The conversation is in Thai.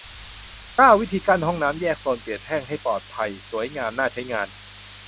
เก้า วิธีกั้นห้องน้ำแยกโซนเปียกแห้ง ให้ปลอดภัย สวยงาม น่าใช้งาน